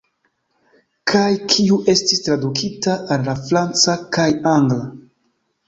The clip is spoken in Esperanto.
Kaj kiu estis tradukita al la franca kaj angla.